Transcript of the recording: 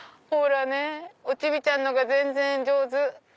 ほらねおチビちゃんのほうが全然上手。